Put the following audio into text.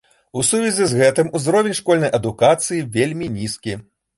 У сувязі з гэтым узровень школьнай адукацыі вельмі нізкі.